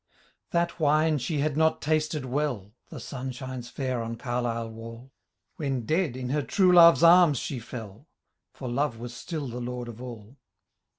That wiije she had not tasted well, (The sun shines fair on Carlisle wall,) When dead, in her true love's arms, she fell. For Love was still the lord of all